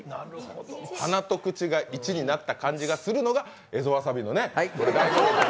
鼻と口が１になった感じがするのが蝦夷わさびのね。